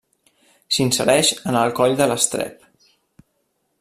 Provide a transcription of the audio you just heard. S'insereix en el coll de l'estrep.